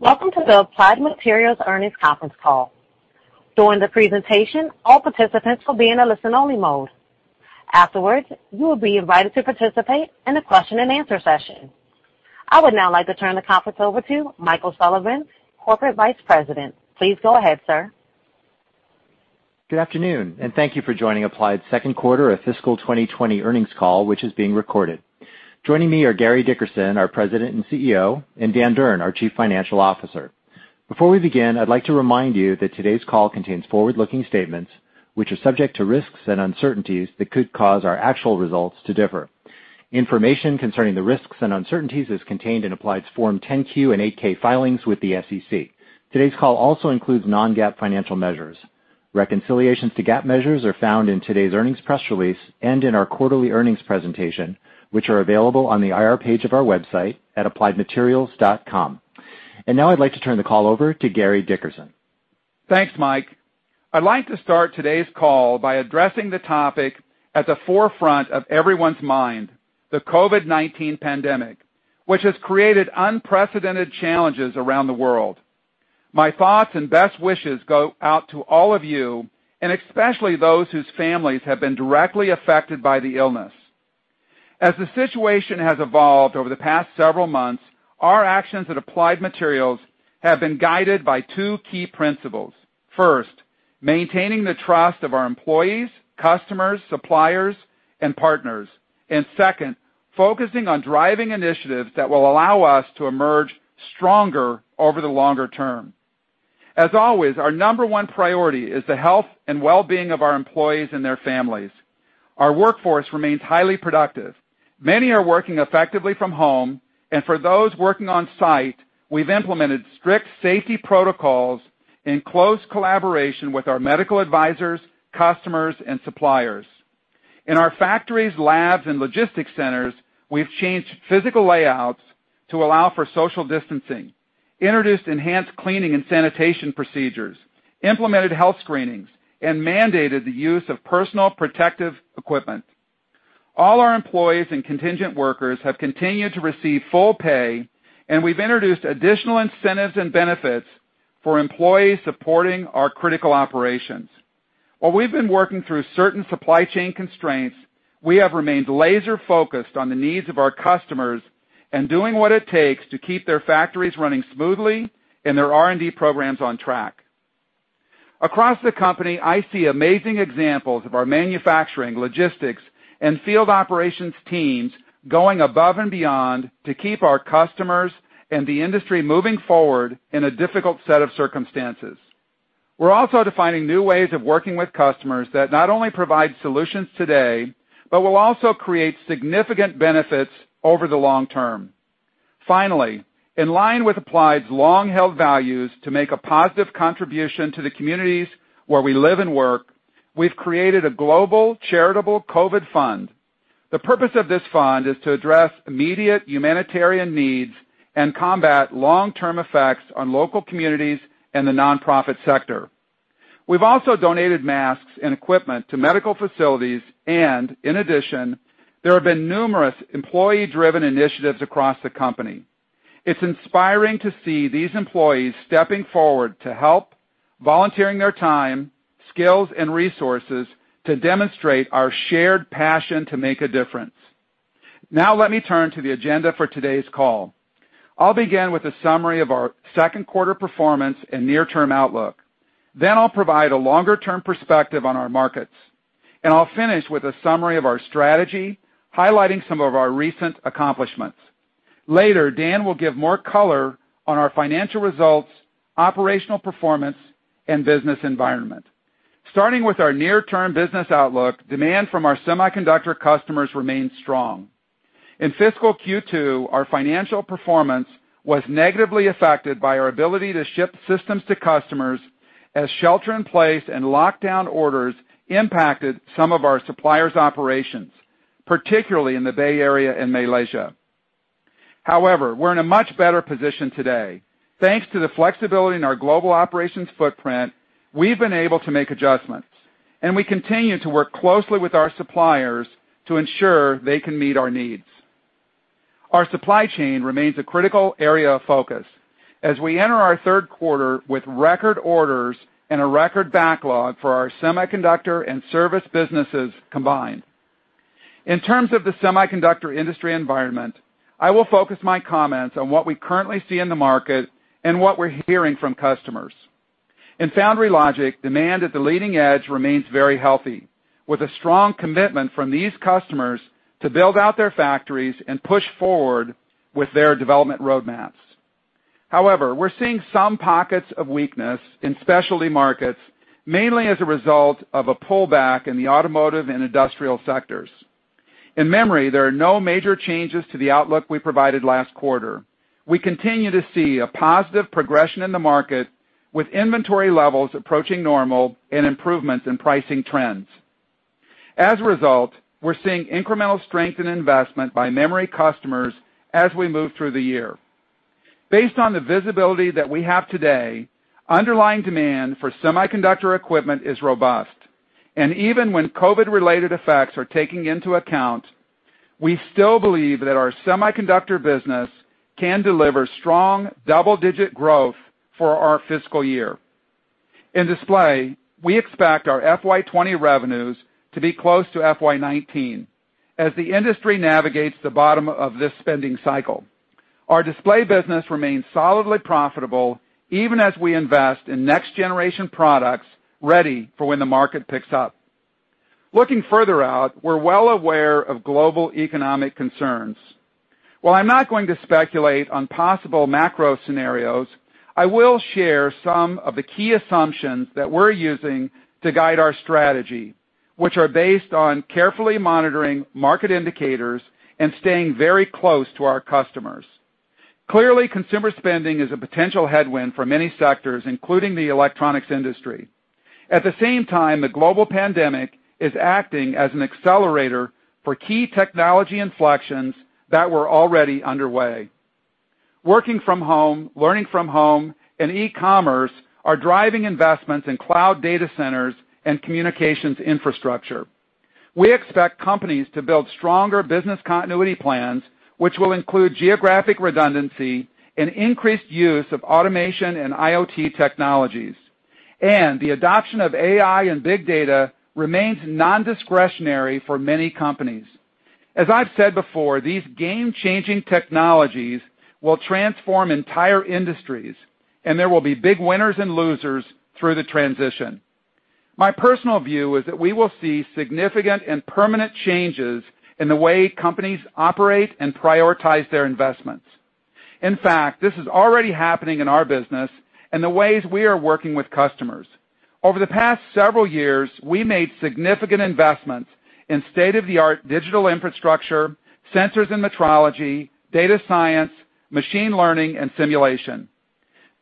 Welcome to the Applied Materials earnings conference call. During the presentation, all participants will be in a listen-only mode. Afterwards, you will be invited to participate in a question-and-answer session. I would now like to turn the conference over to Michael Sullivan, Corporate Vice President. Please go ahead, sir. Good afternoon, and thank you for joining Applied's second quarter of fiscal 2020 earnings call, which is being recorded. Joining me are Gary Dickerson, our President and CEO, and Dan Durn, our Chief Financial Officer. Before we begin, I'd like to remind you that today's call contains forward-looking statements, which are subject to risks and uncertainties that could cause our actual results to differ. Information concerning the risks and uncertainties is contained in Applied's Form 10-Q and 8-K filings with the SEC. Today's call also includes non-GAAP financial measures. Reconciliations to GAAP measures are found in today's earnings press release and in our quarterly earnings presentation, which are available on the IR page of our website at appliedmaterials.com. Now I'd like to turn the call over to Gary Dickerson. Thanks, Mike. I'd like to start today's call by addressing the topic at the forefront of everyone's mind, the COVID-19 pandemic, which has created unprecedented challenges around the world. My thoughts and best wishes go out to all of you, and especially those whose families have been directly affected by the illness. As the situation has evolved over the past several months, our actions at Applied Materials have been guided by two key principles. First, maintaining the trust of our employees, customers, suppliers, and partners. Second, focusing on driving initiatives that will allow us to emerge stronger over the longer term. As always, our number one priority is the health and well-being of our employees and their families. Our workforce remains highly productive. Many are working effectively from home, and for those working on-site, we've implemented strict safety protocols in close collaboration with our medical advisors, customers, and suppliers. In our factories, labs, and logistics centers, we've changed physical layouts to allow for social distancing, introduced enhanced cleaning and sanitation procedures, implemented health screenings, and mandated the use of personal protective equipment. All our employees and contingent workers have continued to receive full pay, and we've introduced additional incentives and benefits for employees supporting our critical operations. While we've been working through certain supply chain constraints, we have remained laser-focused on the needs of our customers and doing what it takes to keep their factories running smoothly and their R&D programs on track. Across the company, I see amazing examples of our manufacturing, logistics, and field operations teams going above and beyond to keep our customers and the industry moving forward in a difficult set of circumstances. We're also defining new ways of working with customers that not only provide solutions today, but will also create significant benefits over the long term. In line with Applied's long-held values to make a positive contribution to the communities where we live and work, we've created a global charitable COVID fund. The purpose of this fund is to address immediate humanitarian needs and combat long-term effects on local communities and the nonprofit sector. We've also donated masks and equipment to medical facilities, and in addition, there have been numerous employee-driven initiatives across the company. It's inspiring to see these employees stepping forward to help, volunteering their time, skills, and resources to demonstrate our shared passion to make a difference. Let me turn to the agenda for today's call. I'll begin with a summary of our second quarter performance and near-term outlook. I'll provide a longer-term perspective on our markets. I'll finish with a summary of our strategy, highlighting some of our recent accomplishments. Later, Dan will give more color on our financial results, operational performance, and business environment. Starting with our near-term business outlook, demand from our semiconductor customers remains strong. In fiscal Q2, our financial performance was negatively affected by our ability to ship systems to customers as shelter-in-place and lockdown orders impacted some of our suppliers' operations, particularly in the Bay Area and Malaysia. We're in a much better position today. Thanks to the flexibility in our global operations footprint, we've been able to make adjustments, and we continue to work closely with our suppliers to ensure they can meet our needs. Our supply chain remains a critical area of focus as we enter our third quarter with record orders and a record backlog for our semiconductor and service businesses combined. In terms of the semiconductor industry environment, I will focus my comments on what we currently see in the market and what we're hearing from customers. In foundry logic, demand at the leading edge remains very healthy, with a strong commitment from these customers to build out their factories and push forward with their development roadmaps. We're seeing some pockets of weakness in specialty markets, mainly as a result of a pullback in the automotive and industrial sectors. In memory, there are no major changes to the outlook we provided last quarter. We continue to see a positive progression in the market, with inventory levels approaching normal and improvements in pricing trends. As a result, we're seeing incremental strength and investment by memory customers as we move through the year. Based on the visibility that we have today, underlying demand for semiconductor equipment is robust. Even when COVID-related effects are taken into account, we still believe that our semiconductor business can deliver strong double-digit growth for our fiscal year. In display, we expect our FY 2020 revenues to be close to FY 2019 as the industry navigates the bottom of this spending cycle. Our display business remains solidly profitable, even as we invest in next-generation products ready for when the market picks up. Looking further out, we're well aware of global economic concerns. While I'm not going to speculate on possible macro scenarios, I will share some of the key assumptions that we're using to guide our strategy, which are based on carefully monitoring market indicators and staying very close to our customers. Clearly, consumer spending is a potential headwind for many sectors, including the electronics industry. At the same time, the global pandemic is acting as an accelerator for key technology inflections that were already underway. Working from home, learning from home, and e-commerce are driving investments in cloud data centers and communications infrastructure. We expect companies to build stronger business continuity plans, which will include geographic redundancy and increased use of automation and IoT technologies. The adoption of AI and big data remains non-discretionary for many companies. As I've said before, these game-changing technologies will transform entire industries, and there will be big winners and losers through the transition. My personal view is that we will see significant and permanent changes in the way companies operate and prioritize their investments. In fact, this is already happening in our business and the ways we are working with customers. Over the past several years, we made significant investments in state-of-the-art digital infrastructure, sensors and metrology, data science, machine learning, and simulation.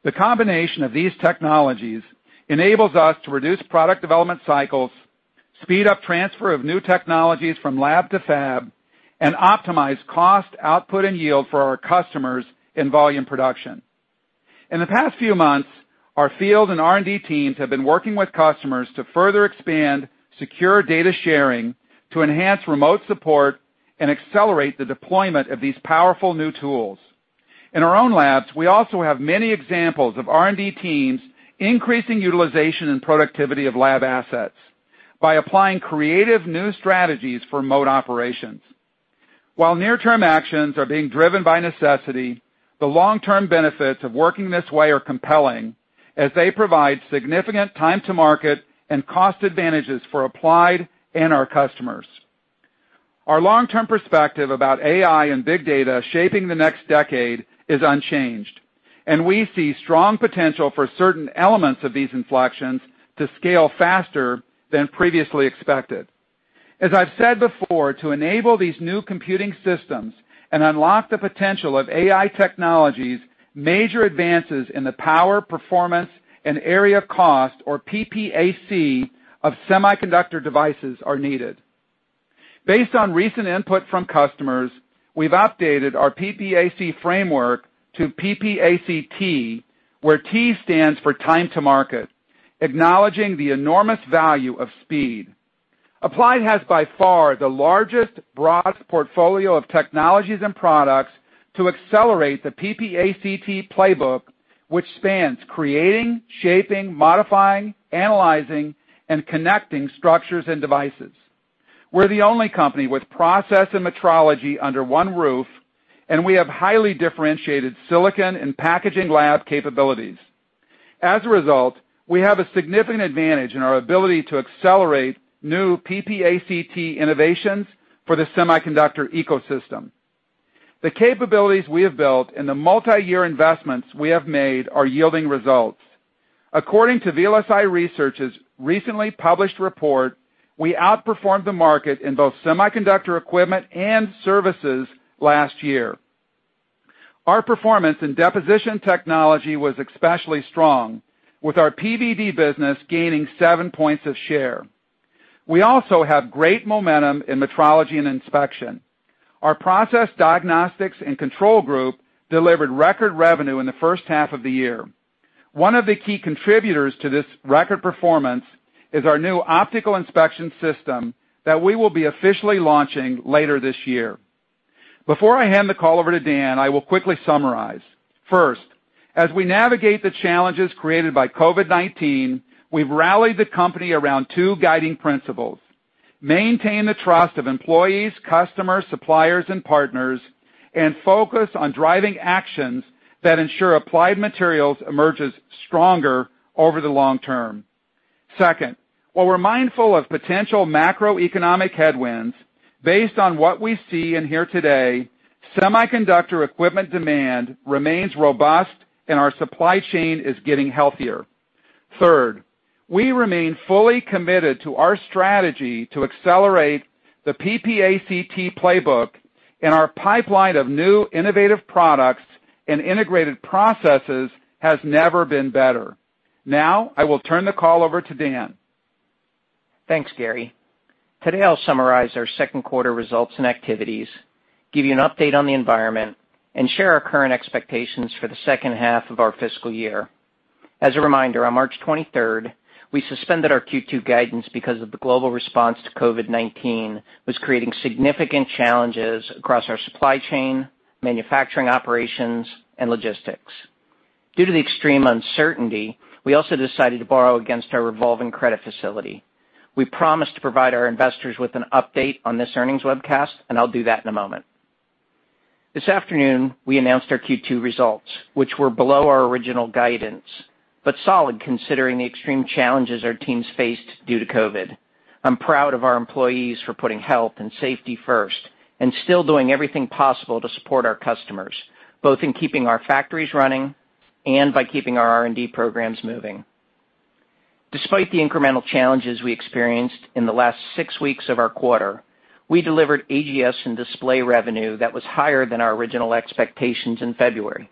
The combination of these technologies enables us to reduce product development cycles, speed up transfer of new technologies from lab to fab, and optimize cost, output, and yield for our customers in volume production. In the past few months, our field and R&D teams have been working with customers to further expand secure data sharing to enhance remote support and accelerate the deployment of these powerful new tools. In our own labs, we also have many examples of R&D teams increasing utilization and productivity of lab assets by applying creative new strategies for remote operations. While near-term actions are being driven by necessity, the long-term benefits of working this way are compelling, as they provide significant time to market and cost advantages for Applied and our customers. Our long-term perspective about AI and big data shaping the next decade is unchanged. We see strong potential for certain elements of these inflections to scale faster than previously expected. As I've said before, to enable these new computing systems and unlock the potential of AI technologies, major advances in the power, performance, and area cost, or PPAC, of semiconductor devices are needed. Based on recent input from customers, we've updated our PPAC framework to PPACt, where t stands for time to market, acknowledging the enormous value of speed. Applied has by far the largest, broadest portfolio of technologies and products to accelerate the PPACt playbook, which spans creating, shaping, modifying, analyzing, and connecting structures and devices. We're the only company with process and metrology under one roof, and we have highly differentiated silicon and packaging lab capabilities. As a result, we have a significant advantage in our ability to accelerate new PPACt innovations for the semiconductor ecosystem. The capabilities we have built and the multi-year investments we have made are yielding results. According to VLSI Research's recently published report, we outperformed the market in both semiconductor equipment and services last year. Our performance in deposition technology was especially strong, with our PVD business gaining seven points of share. We also have great momentum in metrology and inspection. Our Process Diagnostics and Control Group delivered record revenue in the first half of the year. One of the key contributors to this record performance is our new optical inspection system that we will be officially launching later this year. Before I hand the call over to Dan, I will quickly summarize. First, as we navigate the challenges created by COVID-19, we've rallied the company around two guiding principles, maintain the trust of employees, customers, suppliers, and partners, and focus on driving actions that ensure Applied Materials emerges stronger over the long term. Second, while we're mindful of potential macroeconomic headwinds, based on what we see and hear today, semiconductor equipment demand remains robust, and our supply chain is getting healthier. Third, we remain fully committed to our strategy to accelerate the PPACt playbook, and our pipeline of new innovative products and integrated processes has never been better. Now, I will turn the call over to Dan. Thanks, Gary. Today I'll summarize our second quarter results and activities, give you an update on the environment, and share our current expectations for the second half of our fiscal year. As a reminder, on March 23rd, we suspended our Q2 guidance because the global response to COVID-19 was creating significant challenges across our supply chain, manufacturing operations, and logistics. Due to the extreme uncertainty, we also decided to borrow against our revolving credit facility. We promised to provide our investors with an update on this earnings webcast, and I'll do that in a moment. This afternoon, we announced our Q2 results, which were below our original guidance, but solid considering the extreme challenges our teams faced due to COVID. I'm proud of our employees for putting health and safety first and still doing everything possible to support our customers, both in keeping our factories running and by keeping our R&D programs moving. Despite the incremental challenges we experienced in the last six weeks of our quarter, we delivered AGS and display revenue that was higher than our original expectations in February.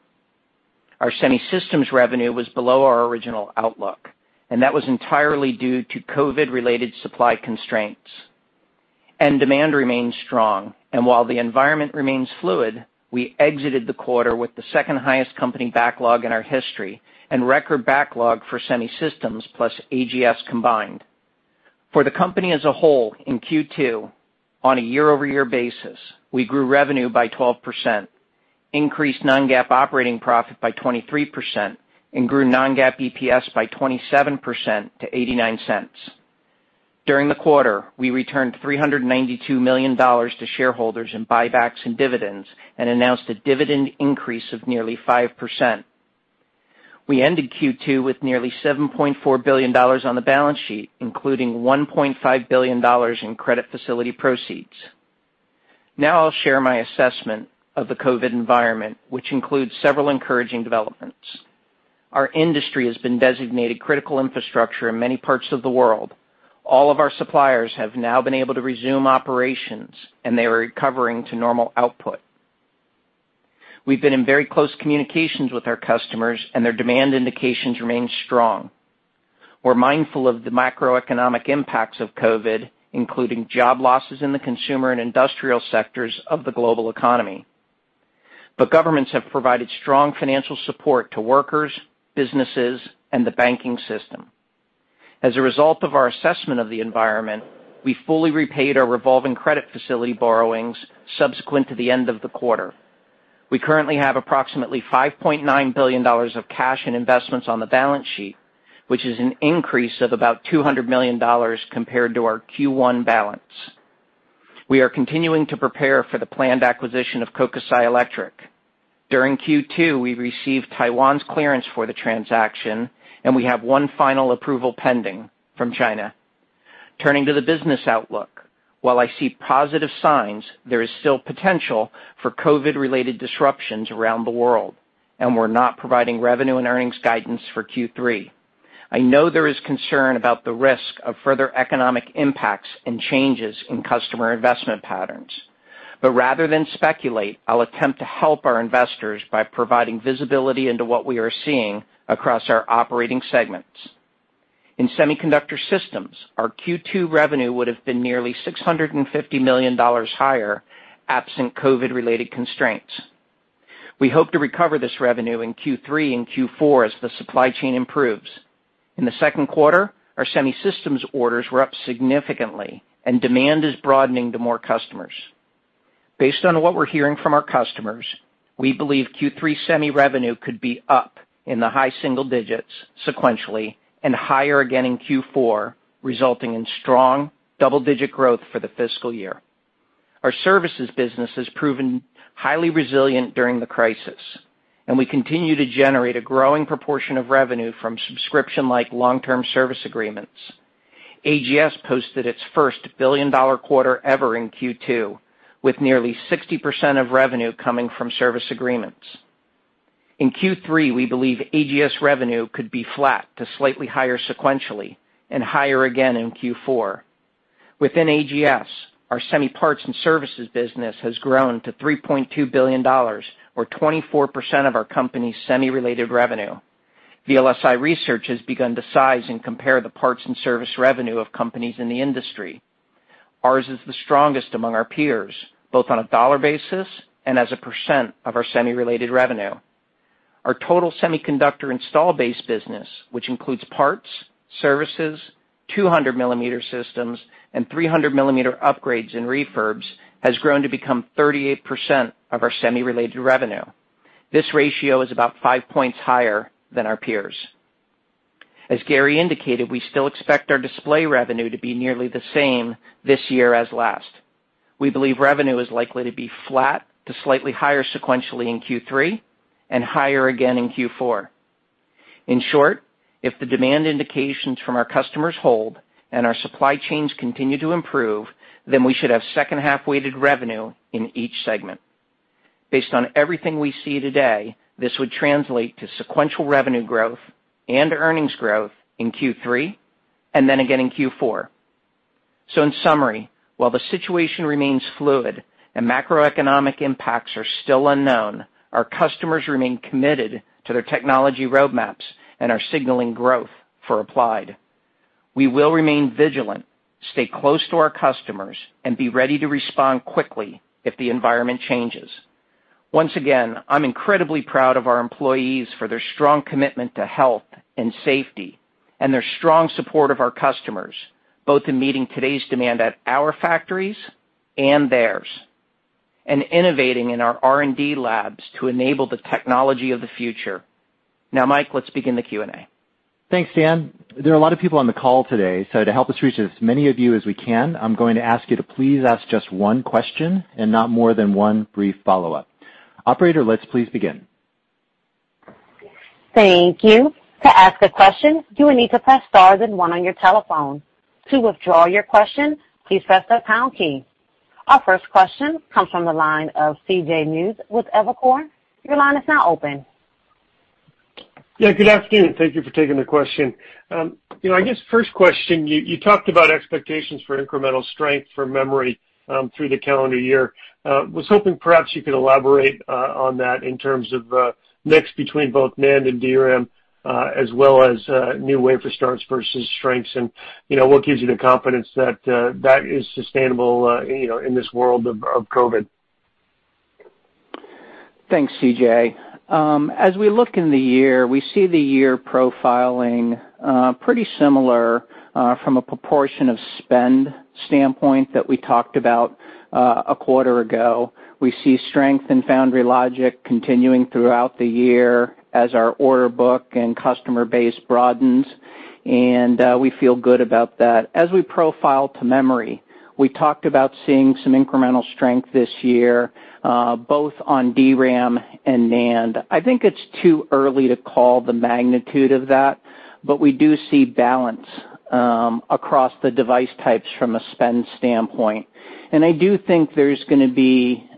Our Semi Systems revenue was below our original outlook, and that was entirely due to COVID related supply constraints. End demand remains strong, and while the environment remains fluid, we exited the quarter with the second highest company backlog in our history and record backlog for Semi Systems plus AGS combined. For the company as a whole in Q2, on a year-over-year basis, we grew revenue by 12%, increased non-GAAP operating profit by 23%, and grew non-GAAP EPS by 27% to $0.89. During the quarter, we returned $392 million to shareholders in buybacks and dividends and announced a dividend increase of nearly 5%. We ended Q2 with nearly $7.4 billion on the balance sheet, including $1.5 billion in credit facility proceeds. I'll share my assessment of the COVID-19 environment, which includes several encouraging developments. Our industry has been designated critical infrastructure in many parts of the world. All of our suppliers have now been able to resume operations, and they are recovering to normal output. We've been in very close communications with our customers, and their demand indications remain strong. We're mindful of the macroeconomic impacts of COVID-19, including job losses in the consumer and industrial sectors of the global economy. Governments have provided strong financial support to workers, businesses, and the banking system. As a result of our assessment of the environment, we fully repaid our revolving credit facility borrowings subsequent to the end of the quarter. We currently have approximately $5.9 billion of cash and investments on the balance sheet, which is an increase of about $200 million compared to our Q1 balance. We are continuing to prepare for the planned acquisition of Kokusai Electric. During Q2, we received Taiwan's clearance for the transaction, and we have one final approval pending from China. Turning to the business outlook. While I see positive signs, there is still potential for COVID-19 related disruptions around the world, and we're not providing revenue and earnings guidance for Q3. I know there is concern about the risk of further economic impacts and changes in customer investment patterns. Rather than speculate, I'll attempt to help our investors by providing visibility into what we are seeing across our operating segments. In Semiconductor Systems, our Q2 revenue would have been nearly $650 million higher absent COVID-19 related constraints. We hope to recover this revenue in Q3 and Q4 as the supply chain improves. In the second quarter, our Semi Systems orders were up significantly, and demand is broadening to more customers. Based on what we're hearing from our customers, we believe Q3 semi revenue could be up in the high single digits sequentially and higher again in Q4, resulting in strong double-digit growth for the fiscal year. Our services business has proven highly resilient during the crisis, and we continue to generate a growing proportion of revenue from subscription-like long-term service agreements. AGS posted its first billion-dollar quarter ever in Q2, with nearly 60% of revenue coming from service agreements. In Q3, we believe AGS revenue could be flat to slightly higher sequentially and higher again in Q4. Within AGS, our semi parts and services business has grown to $3.2 billion or 24% of our company's semi-related revenue. VLSI Research has begun to size and compare the parts and service revenue of companies in the industry. Ours is the strongest among our peers, both on a dollar basis and as a % of our semi-related revenue. Our total semiconductor install base business, which includes parts, services, 200 mm, and 300 mm upgrades and refurbs, has grown to become 38% of our semi-related revenue. This ratio is about 5 points higher than our peers. As Gary indicated, we still expect our display revenue to be nearly the same this year as last. We believe revenue is likely to be flat to slightly higher sequentially in Q3 and higher again in Q4. In short, if the demand indications from our customers hold and our supply chains continue to improve, then we should have second half weighted revenue in each segment. Based on everything we see today, this would translate to sequential revenue growth and earnings growth in Q3 and then again in Q4. In summary, while the situation remains fluid and macroeconomic impacts are still unknown, our customers remain committed to their technology roadmaps and are signaling growth for Applied. We will remain vigilant, stay close to our customers, and be ready to respond quickly if the environment changes. Once again, I'm incredibly proud of our employees for their strong commitment to health and safety, and their strong support of our customers, both in meeting today's demand at our factories and theirs, and innovating in our R&D labs to enable the technology of the future. Now, Mike, let's begin the Q&A. Thanks, Dan. There are a lot of people on the call today, so to help us reach as many of you as we can, I'm going to ask you to please ask just one question and not more than one brief follow-up. Operator, let's please begin. Thank you. To ask a question, you will need to press star then one on your telephone. To withdraw your question, please press the pound key. Our first question comes from the line of C.J. Muse with Evercore. Your line is now open. Yeah, good afternoon. Thank you for taking the question. I guess first question, you talked about expectations for incremental strength for memory through the calendar year. Was hoping perhaps you could elaborate on that in terms of mix between both NAND and DRAM, as well as new wafer starts versus strengths and what gives you the confidence that that is sustainable in this world of COVID-19? Thanks, C.J. As we look in the year, we see the year profiling pretty similar from a proportion of spend standpoint that we talked about a quarter ago. We see strength in foundry logic continuing throughout the year as our order book and customer base broadens, and we feel good about that. As we profile to memory, we talked about seeing some incremental strength this year, both on DRAM and NAND. I think it's too early to call the magnitude of that, but we do see balance across the device types from a spend standpoint. I do think there's going to be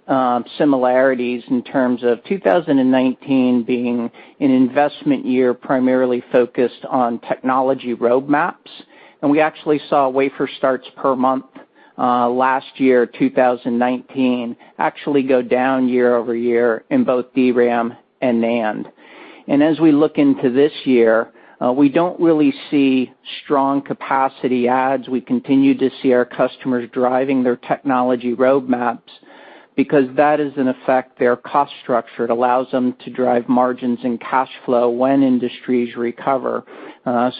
similarities in terms of 2019 being an investment year primarily focused on technology roadmaps. We actually saw wafer starts per month, last year, 2019, actually go down year-over-year in both DRAM and NAND. As we look into this year, we don't really see strong capacity adds. We continue to see our customers driving their technology roadmaps because that is in effect their cost structure. It allows them to drive margins and cash flow when industries recover.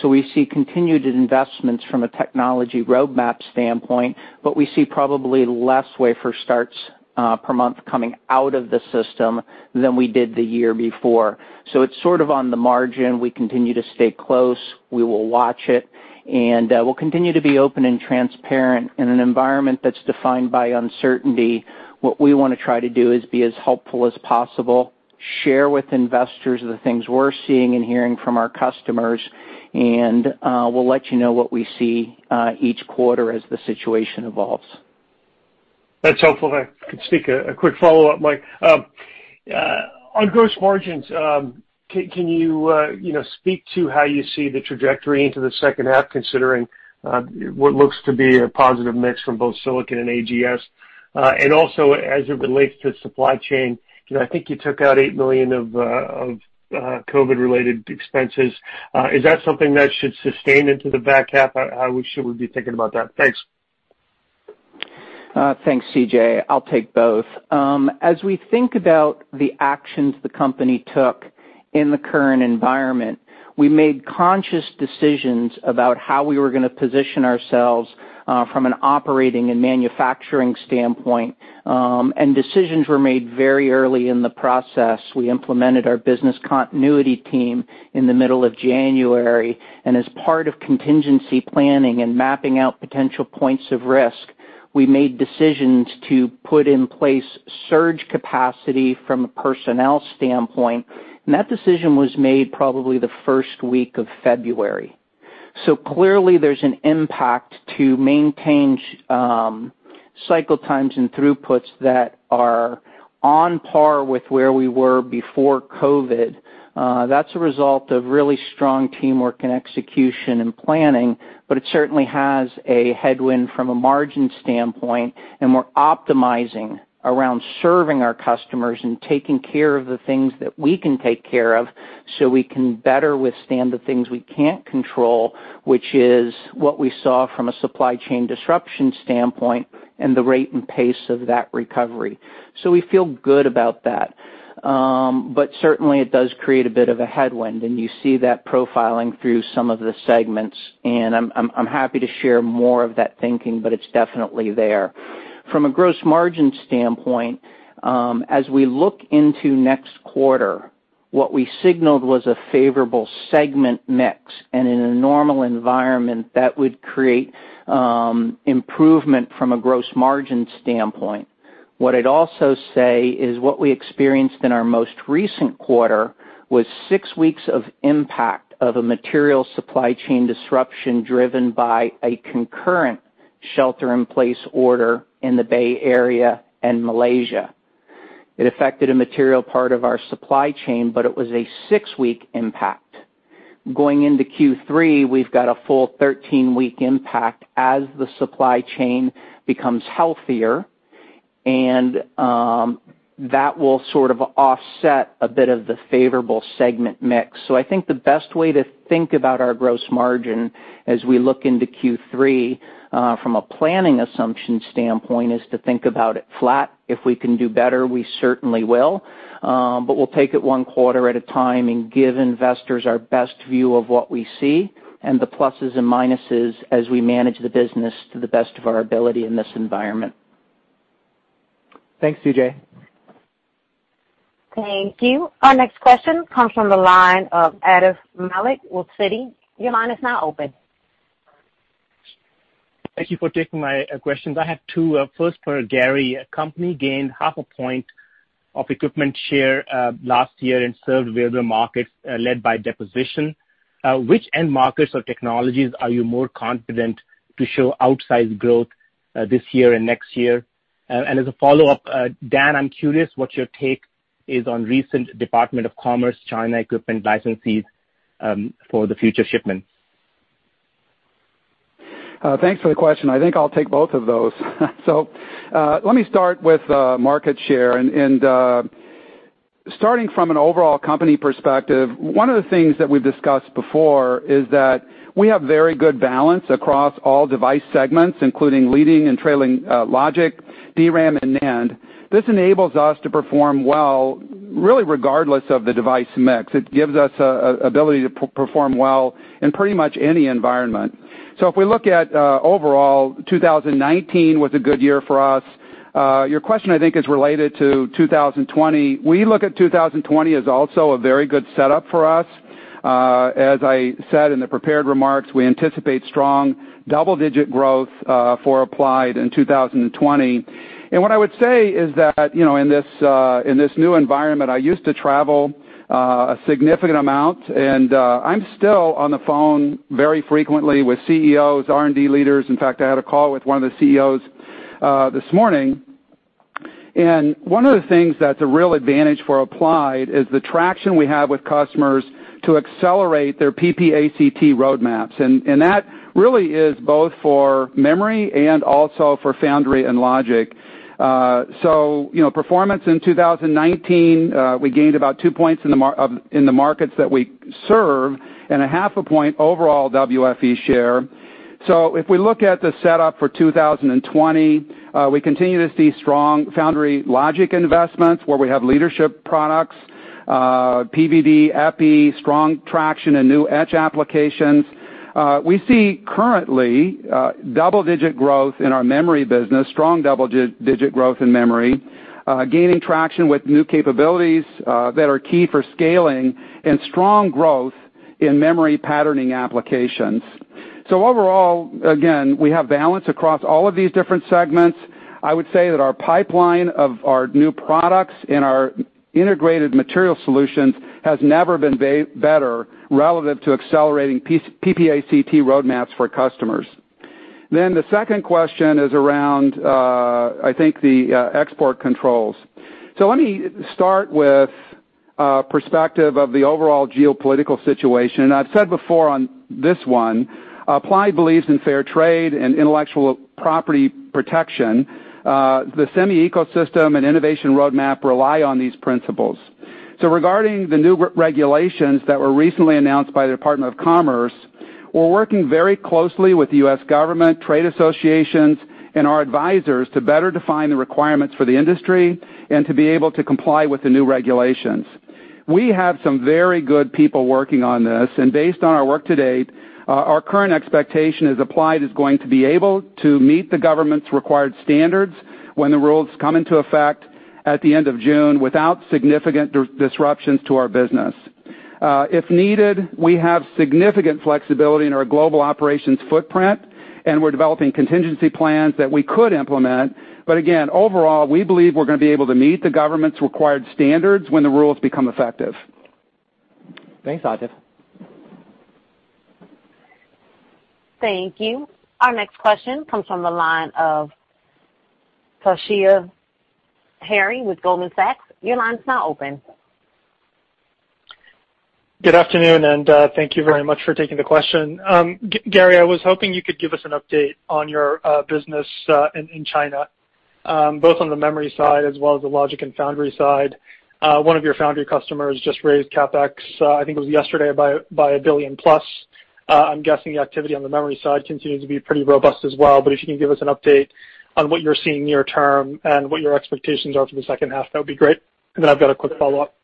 We see continued investments from a technology roadmap standpoint, but we see probably less wafer starts per month coming out of the system than we did the year before. It's sort of on the margin. We continue to stay close. We will watch it, and we'll continue to be open and transparent in an environment that's defined by uncertainty. What we want to try to do is be as helpful as possible, share with investors the things we're seeing and hearing from our customers, and we'll let you know what we see each quarter as the situation evolves. That's helpful. If I could sneak a quick follow-up, Mike. On gross margins, can you speak to how you see the trajectory into the second half, considering what looks to be a positive mix from both Silicon and AGS? Also, as it relates to supply chain, I think you took out $8 million of COVID-related expenses. Is that something that should sustain into the back half? How should we be thinking about that? Thanks. Thanks, C.J. I'll take both. As we think about the actions the company took in the current environment, we made conscious decisions about how we were going to position ourselves, from an operating and manufacturing standpoint, and decisions were made very early in the process. We implemented our business continuity team in the middle of January, and as part of contingency planning and mapping out potential points of risk, we made decisions to put in place surge capacity from a personnel standpoint, and that decision was made probably the first week of February. Clearly, there's an impact to maintain cycle times and throughputs that are on par with where we were before COVID-19. That's a result of really strong teamwork and execution and planning, but it certainly has a headwind from a margin standpoint, and we're optimizing around serving our customers and taking care of the things that we can take care of so we can better withstand the things we can't control, which is what we saw from a supply chain disruption standpoint and the rate and pace of that recovery. We feel good about that. Certainly, it does create a bit of a headwind, and you see that profiling through some of the segments, and I'm happy to share more of that thinking, but it's definitely there. From a gross margin standpoint, as we look into next quarter, what we signaled was a favorable segment mix, and in a normal environment, that would create improvement from a gross margin standpoint. What I'd also say is what we experienced in our most recent quarter was six weeks of impact of a material supply chain disruption driven by a concurrent shelter-in-place order in the Bay Area and Malaysia. It affected a material part of our supply chain, but it was a six-week impact. Going into Q3, we've got a full 13-week impact as the supply chain becomes healthier, and that will sort of offset a bit of the favorable segment mix. I think the best way to think about our gross margin as we look into Q3 from a planning assumption standpoint, is to think about it flat. If we can do better, we certainly will. We'll take it one quarter at a time and give investors our best view of what we see and the pluses and minuses as we manage the business to the best of our ability in this environment. Thanks, C.J. Thank you. Our next question comes from the line of Atif Malik with Citi. Your line is now open. Thank you for taking my questions. I have two. First, for Gary. Company gained half a point of equipment share last year in served available markets, led by deposition. Which end markets or technologies are you more confident to show outsized growth this year and next year? As a follow-up, Dan, I'm curious what your take is on recent Department of Commerce China equipment license requirements for the future shipments. Thanks for the question. I think I'll take both of those. Let me start with market share, and starting from an overall company perspective, one of the things that we've discussed before is that we have very good balance across all device segments, including leading and trailing logic, DRAM and NAND. This enables us to perform well, really regardless of the device mix. It gives us ability to perform well in pretty much any environment. If we look at overall, 2019 was a good year for us. Your question, I think, is related to 2020. We look at 2020 as also a very good setup for us. As I said in the prepared remarks, we anticipate strong double-digit growth for Applied in 2020. What I would say is that, in this new environment, I used to travel a significant amount, and I'm still on the phone very frequently with CEOs, R&D leaders. In fact, I had a call with one of the CEOs this morning. One of the things that's a real advantage for Applied is the traction we have with customers to accelerate their PPACt roadmaps. That really is both for memory and also for foundry and logic. Performance in 2019, we gained about 2 points in the markets that we serve and 0.5 point overall WFE share. If we look at the setup for 2020, we continue to see strong foundry logic investments where we have leadership products, PVD, EPI, strong traction, and new etch applications. We see currently double-digit growth in our memory business, strong double-digit growth in memory, gaining traction with new capabilities that are key for scaling, and strong growth in memory patterning applications. Overall, again, we have balance across all of these different segments. I would say that our pipeline of our new products and our integrated material solutions has never been better relative to accelerating PPACt roadmaps for customers. The second question is around, I think the export controls. Let me start with a perspective of the overall geopolitical situation. I've said before on this one, Applied believes in fair trade and intellectual property protection. The semi ecosystem and innovation roadmap rely on these principles. Regarding the new regulations that were recently announced by the Department of Commerce, we're working very closely with the U.S. government, trade associations, and our advisors to better define the requirements for the industry and to be able to comply with the new regulations. We have some very good people working on this, and based on our work to date, our current expectation is Applied is going to be able to meet the government's required standards when the rules come into effect at the end of June without significant disruptions to our business. If needed, we have significant flexibility in our global operations footprint, and we're developing contingency plans that we could implement. Again, overall, we believe we're going to be able to meet the government's required standards when the rules become effective. Thanks, Atif. Thank you. Our next question comes from the line of Toshiya Hari with Goldman Sachs. Your line is now open. Good afternoon, thank you very much for taking the question. Gary, I was hoping you could give us an update on your business in China, both on the memory side as well as the logic and foundry side. One of your foundry customers just raised CapEx, I think it was yesterday, by a $1 billion+. I'm guessing activity on the memory side continues to be pretty robust as well, but if you can give us an update on what you're seeing near term and what your expectations are for the second half, that would be great. I've got a quick follow-up.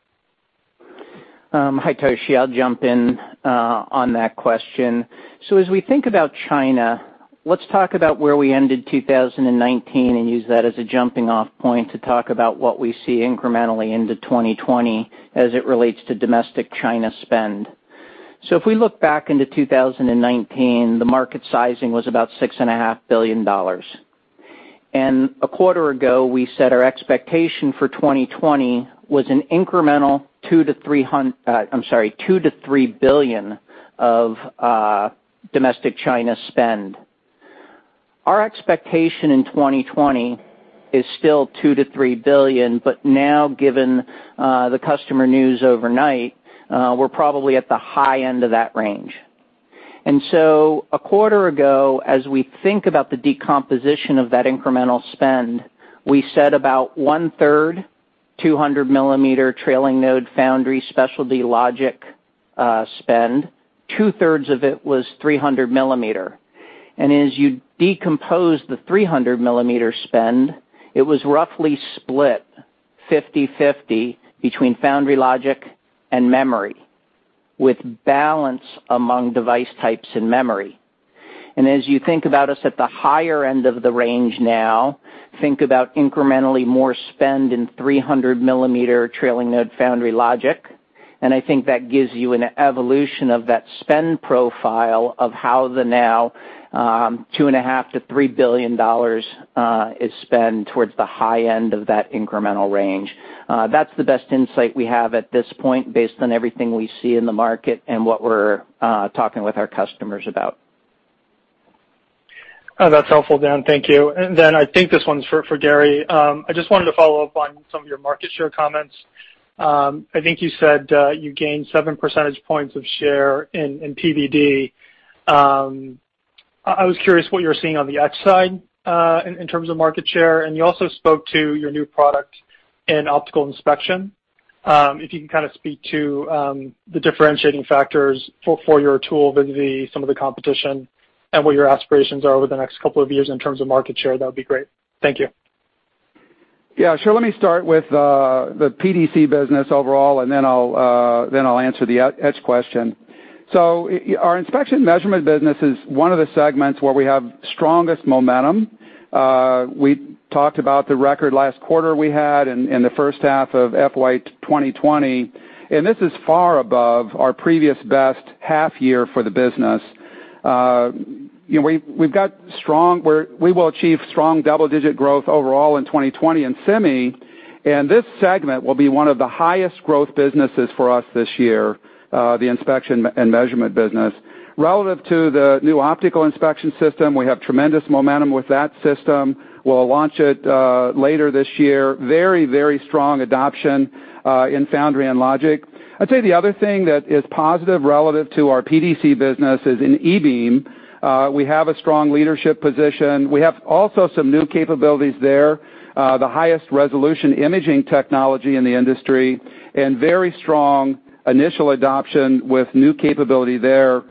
Hi, Toshiya. I'll jump in on that question. As we think about China, let's talk about where we ended 2019 and use that as a jumping-off point to talk about what we see incrementally into 2020 as it relates to domestic China spend. If we look back into 2019, the market sizing was about $6.5 billion dollars. A quarter ago, we said our expectation for 2020 was an incremental $2 billion-$3 billion of domestic China spend. Our expectation in 2020 is still $2 billion-$3 billion, now given the customer news overnight, we're probably at the high end of that range. A quarter ago, as we think about the decomposition of that incremental spend, we said about 1/3, 200 mm trailing node foundry specialty logic spend, 2/3 of it was 300 mm. As you decompose the 300 mm spend, it was roughly split 50/50 between foundry logic and memory, with balance among device types in memory. As you think about us at the higher end of the range now, think about incrementally more spend in 300 mm trailing node foundry logic, and I think that gives you an evolution of that spend profile of how the now $2.5 billion-$3 billion is spent towards the high end of that incremental range. That's the best insight we have at this point based on everything we see in the market and what we're talking with our customers about. That's helpful, Dan. Thank you. I think this one's for Gary. I just wanted to follow up on some of your market share comments. I think you said, you gained seven percentage points of share in PVD. I was curious what you were seeing on the etch side, in terms of market share. You also spoke to your new product in optical inspection. If you can kind of speak to the differentiating factors for your tool versus some of the competition and what your aspirations are over the next couple of years in terms of market share, that would be great. Thank you. Yeah, sure. Let me start with the PDC business overall, then I'll answer the etch question. Our inspection measurement business is one of the segments where we have strongest momentum. We talked about the record last quarter we had in the first half of FY 2020, this is far above our previous best half year for the business. We will achieve strong double-digit growth overall in 2020 in Semi, this segment will be one of the highest growth businesses for us this year, the inspection and measurement business. Relative to the new optical inspection system, we have tremendous momentum with that system. We'll launch it later this year. Very strong adoption in foundry and logic. I'd say the other thing that is positive relevant to our PDC business is in E-beam, we have a strong leadership position. We have also some new capabilities there, the highest resolution imaging technology in the industry, and very strong initial adoption with new capability there,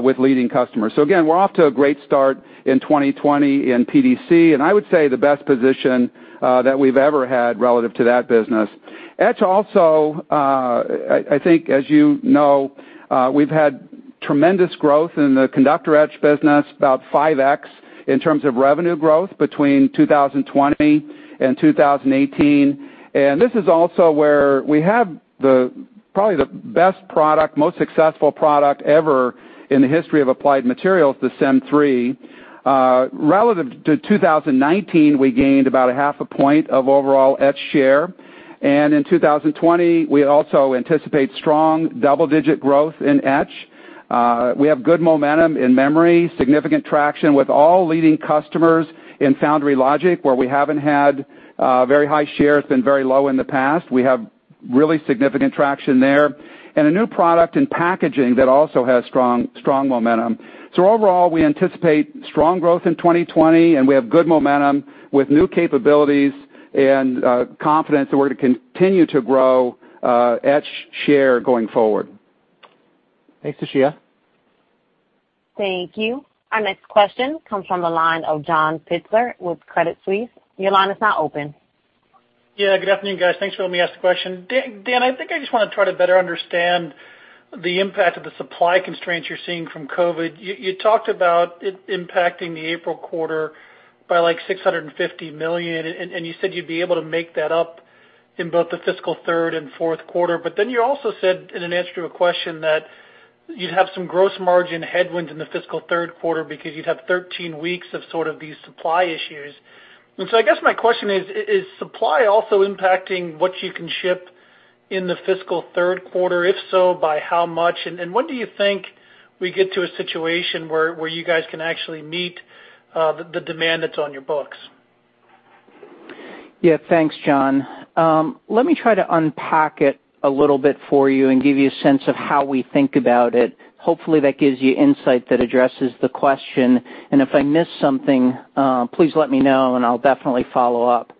with leading customers. Again, we're off to a great start in 2020 in PDC, and I would say the best position that we've ever had relative to that business. Etch also, I think as you know, we've had tremendous growth in the conductor etch business, about 5x in terms of revenue growth between 2020 and 2018. This is also where we have probably the best product, most successful product ever in the history of Applied Materials, the Sym3. Relative to 2019, we gained about a 1/2 point of overall etch share. In 2020, we also anticipate strong double-digit growth in etch. We have good momentum in memory, significant traction with all leading customers in foundry logic, where we haven't had very high share. It's been very low in the past. We have really significant traction there. A new product in packaging that also has strong momentum. Overall, we anticipate strong growth in 2020, and we have good momentum with new capabilities and confidence that we're to continue to grow etch share going forward. Thanks. Toshiya. Thank you. Our next question comes from the line of John Pitzer with Credit Suisse. Your line is now open. Yeah, good afternoon, guys. Thanks for letting me ask the question. Dan, I think I just want to try to better understand the impact of the supply constraints you're seeing from COVID. You talked about it impacting the April quarter by like $650 million. You said you'd be able to make that up in both the fiscal third and fourth quarter. You also said in an answer to a question that you'd have some gross margin headwinds in the fiscal third quarter because you'd have 13 weeks of sort of these supply issues. I guess my question is supply also impacting what you can ship in the fiscal third quarter? If so, by how much? When do you think we get to a situation where you guys can actually meet the demand that's on your books? Yeah. Thanks, John. Let me try to unpack it a little bit for you and give you a sense of how we think about it. Hopefully, that gives you insight that addresses the question. If I miss something, please let me know and I'll definitely follow up.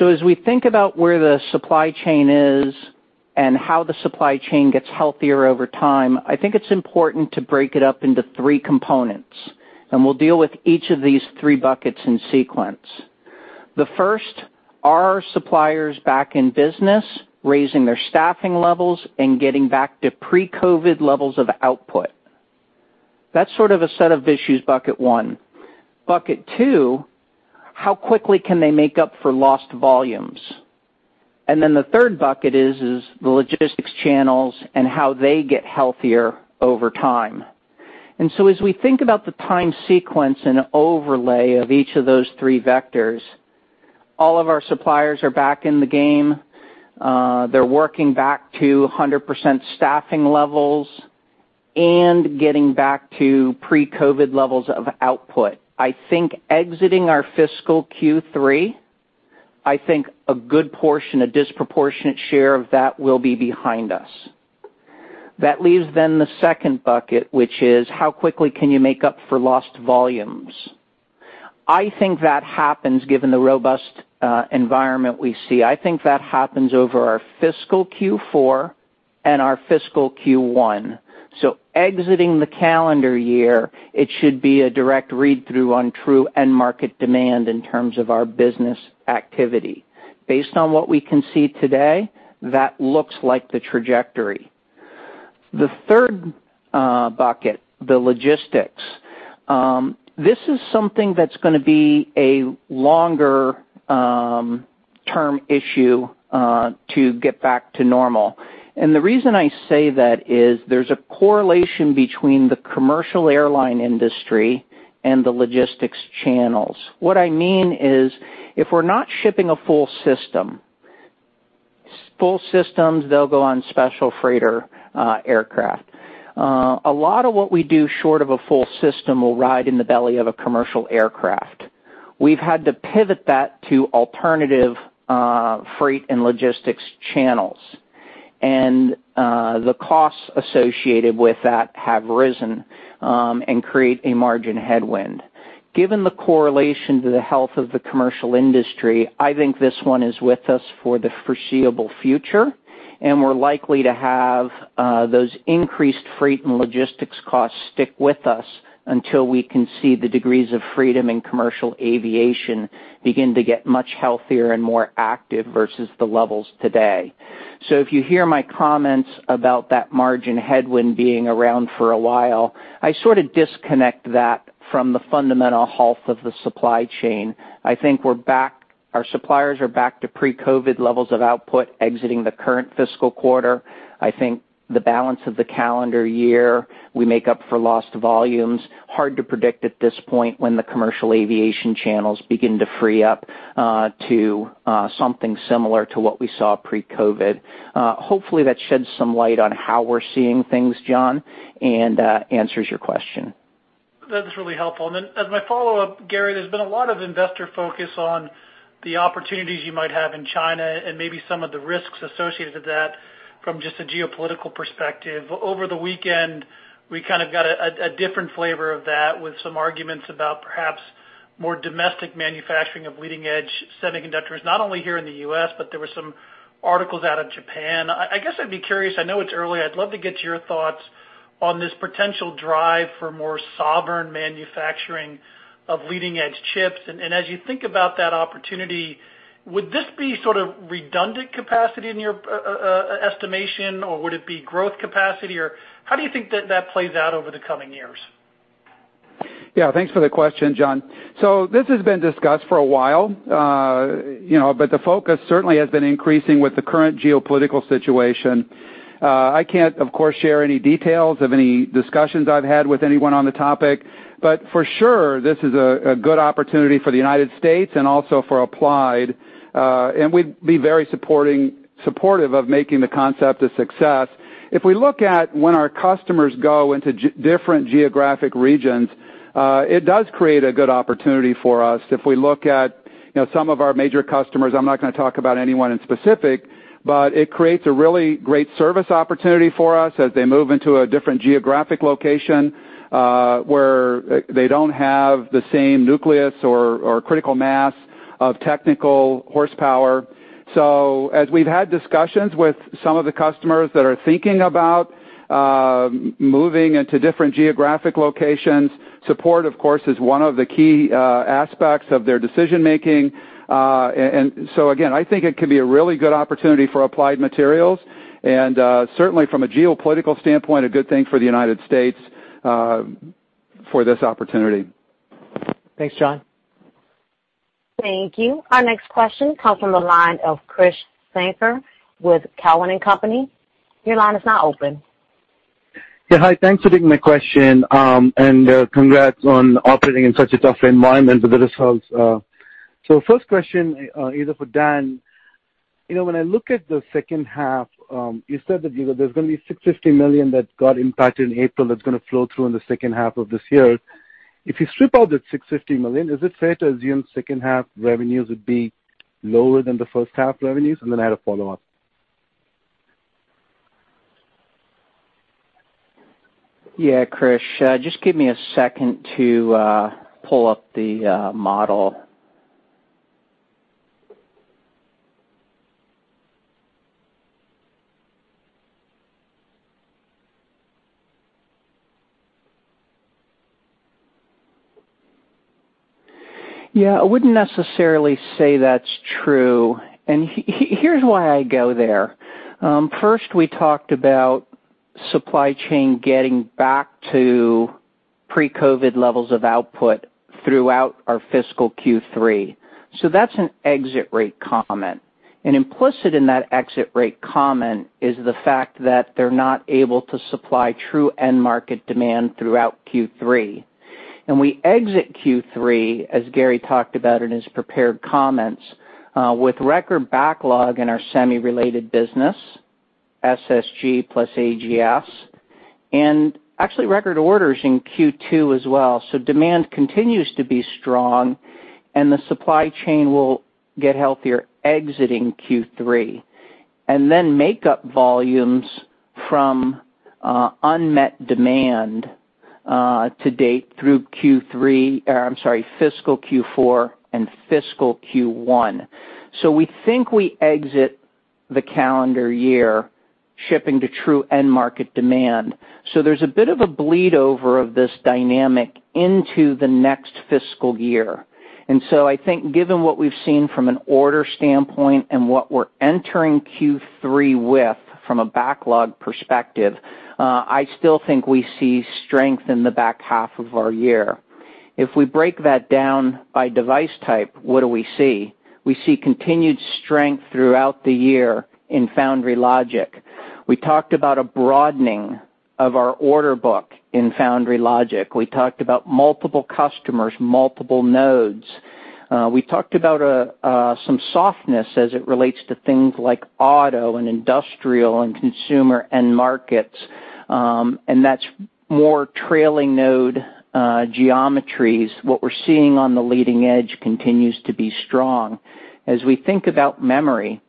As we think about where the supply chain is and how the supply chain gets healthier over time, I think it's important to break it up into three components, and we'll deal with each of these three buckets in sequence. The first, are suppliers back in business, raising their staffing levels and getting back to pre-COVID-19 levels of output? That's sort of a set of issues, bucket one. Bucket two, how quickly can they make up for lost volumes? Then the third bucket is, the logistics channels and how they get healthier over time. As we think about the time sequence and overlay of each of those three vectors. All of our suppliers are back in the game. They're working back to 100% staffing levels and getting back to pre-COVID-19 levels of output. I think exiting our fiscal Q3, a good portion, a disproportionate share of that will be behind us. That leaves the second bucket, which is how quickly can you make up for lost volumes? I think that happens given the robust environment we see. I think that happens over our fiscal Q4 and our fiscal Q1. Exiting the calendar year, it should be a direct read-through on true end market demand in terms of our business activity. Based on what we can see today, that looks like the trajectory. The third bucket, the logistics. This is something that's going to be a longer term issue to get back to normal, and the reason I say that is there's a correlation between the commercial airline industry and the logistics channels. What I mean is, if we're not shipping a full system, full systems, they'll go on special freighter aircraft. A lot of what we do short of a full system will ride in the belly of a commercial aircraft. We've had to pivot that to alternative freight and logistics channels, and the costs associated with that have risen and create a margin headwind. Given the correlation to the health of the commercial industry, I think this one is with us for the foreseeable future, we're likely to have those increased freight and logistics costs stick with us until we can see the degrees of freedom in commercial aviation begin to get much healthier and more active versus the levels today. If you hear my comments about that margin headwind being around for a while, I sort of disconnect that from the fundamental health of the supply chain. I think our suppliers are back to pre-COVID levels of output exiting the current fiscal quarter. I think the balance of the calendar year, we make up for lost volumes. Hard to predict at this point when the commercial aviation channels begin to free up to something similar to what we saw pre-COVID. Hopefully, that sheds some light on how we're seeing things, John, and answers your question. That's really helpful. As my follow-up, Gary, there's been a lot of investor focus on the opportunities you might have in China and maybe some of the risks associated with that from just a geopolitical perspective. Over the weekend, we kind of got a different flavor of that with some arguments about perhaps more domestic manufacturing of leading-edge semiconductors, not only here in the U.S., but there were some articles out of Japan. I guess I'd be curious, I know it's early, I'd love to get your thoughts on this potential drive for more sovereign manufacturing of leading-edge chips. As you think about that opportunity, would this be sort of redundant capacity in your estimation, or would it be growth capacity, or how do you think that plays out over the coming years? Yeah. Thanks for the question, John. This has been discussed for a while, but the focus certainly has been increasing with the current geopolitical situation. I can't, of course, share any details of any discussions I've had with anyone on the topic, but for sure, this is a good opportunity for the United States and also for Applied. We'd be very supportive of making the concept a success. If we look at when our customers go into different geographic regions, it does create a good opportunity for us. If we look at some of our major customers, I'm not going to talk about anyone in specific, but it creates a really great service opportunity for us as they move into a different geographic location, where they don't have the same nucleus or critical mass of technical horsepower. As we've had discussions with some of the customers that are thinking about moving into different geographic locations, support, of course, is one of the key aspects of their decision-making. Again, I think it can be a really good opportunity for Applied Materials, and certainly from a geopolitical standpoint, a good thing for the United States for this opportunity. Thanks, John. Thank you. Our next question comes from the line of Krish Sankar with Cowen & Company. Your line is now open. Yeah. Hi, thanks for taking my question, and congrats on operating in such a tough environment with the results. First question, either for Dan. When I look at the second half, you said that there's going to be $650 million that got impacted in April, that's going to flow through in the second half of this year. If you strip out that $650 million, is it fair to assume second half revenues would be lower than the first half revenues? I had a follow-up. Yeah, Krish. Just give me a second to pull up the model. Yeah, I wouldn't necessarily say that's true, and here's why I go there. First, we talked about supply chain getting back to pre-COVID levels of output throughout our fiscal Q3. That's an exit rate comment. Implicit in that exit rate comment is the fact that they're not able to supply true end market demand throughout Q3. We exit Q3, as Gary talked about in his prepared comments, with record backlog in our semi-related business, SSG plus AGS, and actually record orders in Q2 as well. Demand continues to be strong and the supply chain will get healthier exiting Q3. Then make up volumes from unmet demand to date through fiscal Q4 and fiscal Q1. We think we exit the calendar year shipping to true end market demand. There's a bit of a bleed over of this dynamic into the next fiscal year. I think given what we've seen from an order standpoint and what we're entering Q3 with from a backlog perspective, I still think we see strength in the back half of our year. If we break that down by device type, what do we see? We see continued strength throughout the year in foundry logic. We talked about a broadening of our order book in foundry logic. We talked about multiple customers, multiple nodes. We talked about some softness as it relates to things like auto and industrial and consumer end markets, and that's more trailing node geometries. What we're seeing on the leading edge continues to be strong. As we think about memory,